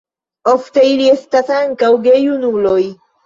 Ofte ili estas ankaŭ gejunuloj.